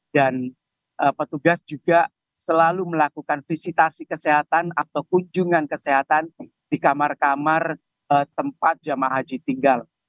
dan petugas juga selalu melakukan visitasi kesehatan atau kunjungan kesehatan di kamar kamar tempat jamaah haji tinggal